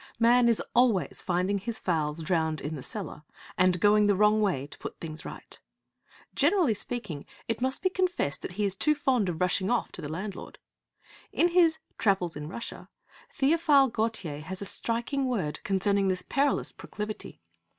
Man is always finding his fowls drowned in the cellar and going the wrong way to put things right. Generally speaking, it must be confessed that he is too fond of rushing off to the landlord. In his Travels in Russia, Theophile Gautier has a striking word concerning this perilous proclivity.